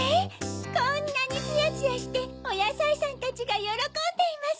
こんなにツヤツヤしておやさいさんたちがよろこんでいます。